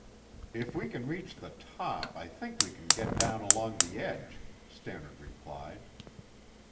"If we can reach the top, I think we can get down along the edge," Stannard replied.